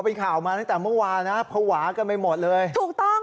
เป็นข่าวมาตั้งแต่เมื่อวานนะภาวะกันไปหมดเลยถูกต้อง